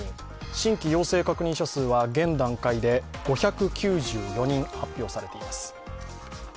新規陽性確認者数は現段階で５９４人、発表されています。